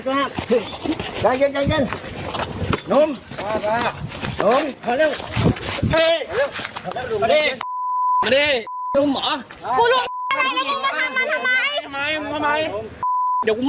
นุ่มใจเย็นนุ่มใจเย็นนุ่มใจเย็นนุ่มนุ่มนุ่ม